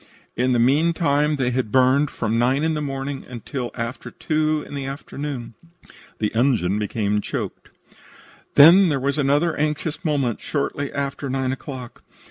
In the meantime they had burned from nine o'clock in the morning until after two in the afternoon. THE ENGINE BECAME CHOKED "Then there was another anxious moment shortly after nine o'clock.